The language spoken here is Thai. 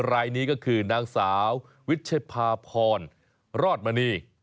รายนี้ก็คือนางสาววิชภาพรรอดมณี